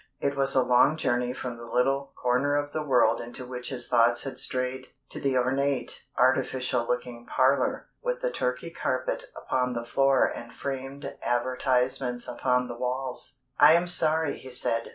It was a long journey from the little corner of the world into which his thoughts had strayed, to the ornate, artificial looking parlor, with the Turkey carpet upon the floor and framed advertisements upon the walls. "I am sorry," he said.